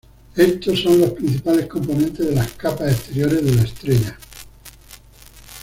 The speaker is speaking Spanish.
Estos son los principales componentes de las capas exteriores de la estrella.